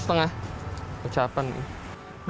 pecah apa nih